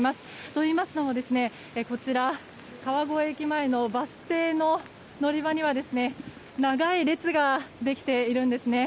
といいますのも川越駅前のバス停、乗り場には長い列ができているんです。